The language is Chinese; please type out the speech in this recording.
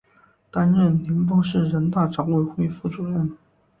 担任宁波市人大常委会副主任。